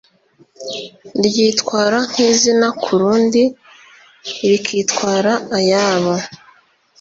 ryitwara nk izina ku rundi rikitwara ayabo